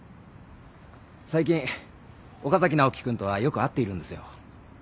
最近岡崎直樹君とはよく会っているんですよ。